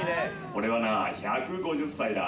俺はな、１５０歳だ。